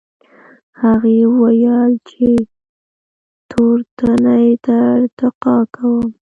هغه وویل چې تورنۍ ته ارتقا کوم.